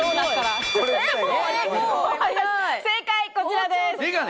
正解こちらです。